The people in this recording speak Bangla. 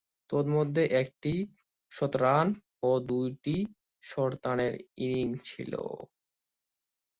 তন্মধ্যে, একটি অর্ধ-শতরান ও দুইটি শতরানের ইনিংস ছিল।